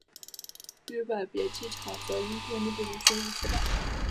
女满别机场则因电力不足宣布关闭。